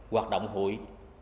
hoạt động hụi